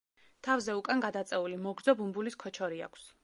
თავზე უკან გადაწეული, მოგრძო ბუმბულის ქოჩორი აქვს.